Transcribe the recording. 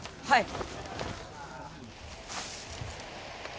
はい。